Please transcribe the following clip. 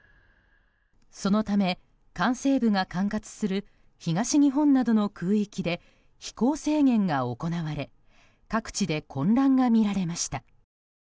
そのため管制部が管轄する東日本などの空域で飛行制限が行われ各地で混乱が見られました。